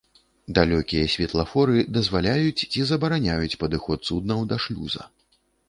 Далёкія святлафоры дазваляюць ці забараняюць падыход суднаў да шлюза.